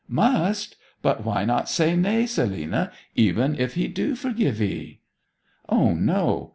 'Must! But why not say nay, Selina, even if he do forgive 'ee?' 'O no!